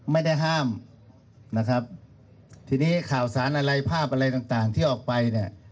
ไม่ได้ห้ามนะครับทีนี้ข่าวสารอะไรภาพอะไรต่างต่างที่ออกไปเนี่ย